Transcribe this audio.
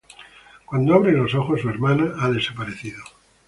Cuando abre los ojos, su hermana ha desaparecido.